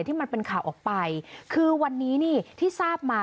ที่มันเป็นข่าวออกไปคือวันนี้นี่ที่ทราบมา